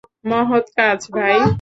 মহৎ কাজ, ভাই!